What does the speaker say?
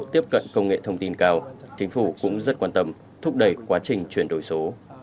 tiếp cận công nghệ thông tin cao chính phủ cũng rất quan tâm thúc đẩy quá trình chuyển đổi số